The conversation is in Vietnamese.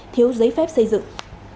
thiếu giấy phép xây dựng